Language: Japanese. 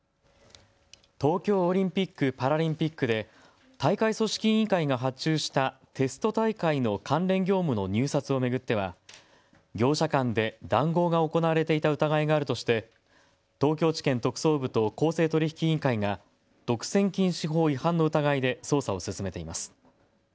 東京オリンピック・パラリンピックで大会組織委員会が発注したテスト大会の関連業務の入札を巡っては業者間で談合が行われていた疑いがあるとして東京地検特捜部と公正取引委員会が独占禁止法違反の疑いで捜査を進めています。